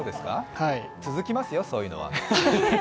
続きますよ、そういうのは。